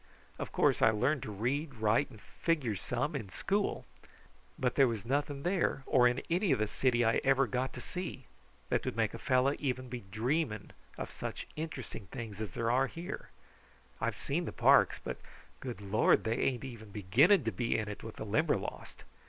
Of course, I learned to read, write, and figure some at school, but there was nothing there, or in any of the city that I ever got to see, that would make a fellow even be dreaming of such interesting things as there are here. I've seen the parks but good Lord, they ain't even beginning to be in it with the Limberlost!